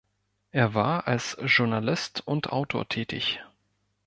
Er war als Journalist und Autor tätig.